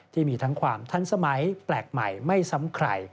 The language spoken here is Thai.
ที่มีทั้งความทันสมัยแปลกใหม่ไม่ซ้ำใคร